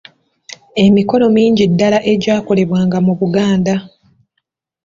Emikolo mingi ddala egyakolebwanga mu Buganda